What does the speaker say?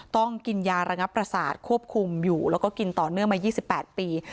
ต้องกินยาระงับประสาทควบคุมอยู่แล้วก็กินต่อเนื่องมา๒๘ปี